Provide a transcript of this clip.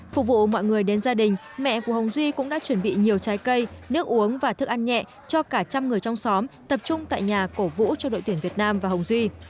phục vụ mọi người đến gia đình mẹ của hồng duy cũng đã chuẩn bị nhiều trái cây nước uống và thức ăn nhẹ cho cả trăm người trong xóm tập trung tại nhà cổ vũ cho đội tuyển việt nam và hồng duy